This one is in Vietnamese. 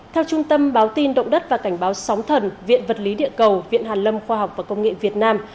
theo trung tâm báo tin động đất và cảnh báo sóng thần viện vật lý địa cầu viện hàn lâm khoa học và công nghệ việt nam